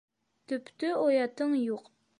— Төптө оятың юҡ.